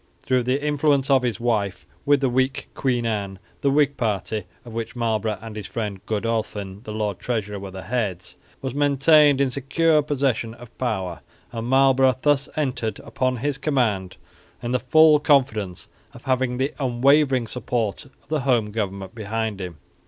Through the influence of his wife with the weak Queen Anne, the Whig party, of which Marlborough and his' friend Godolphin the lord treasurer were the heads, was maintained in secure possession of power; and Marlborough thus entered upon his command in the full confidence of having the unwavering support of the home government behind him.